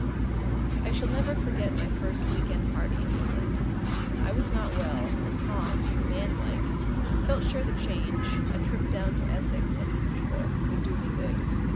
I shall never forget my first week end party in England. I was not well, and Tom, manlike, felt sure the change, a trip down to Essex and new people, would do me good.